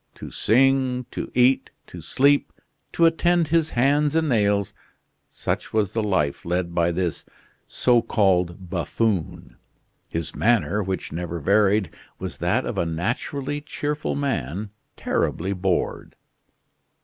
To sing, to eat, to sleep, to attend to his hands and nails such was the life led by this so called buffoon. His manner, which never varied, was that of a naturally cheerful man terribly bored.